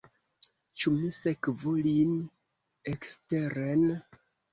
Ĉu mi sekvu lin eksteren?